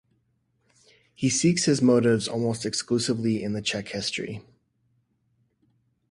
He seeks his motives almost exclusively in the Czech history.